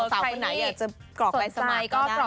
สาวคนไหนอยากจะกรอกไปสมัครก็ได้เลยนะ